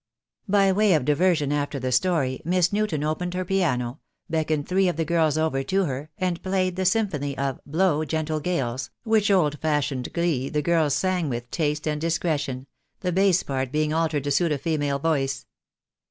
By way of diversion after the story, Miss Newton opened her piano, beckoned three of the girls over to her, and played the symphony of "Blow, Gentle Gales," THE DAY WILL COME. 20 1 which old fashioned glee the three girls sang with taste and discretion, the bass part being altered to suit a female voice.